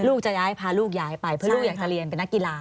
จะย้ายพาลูกย้ายไปเพื่อลูกอยากจะเรียนเป็นนักกีฬา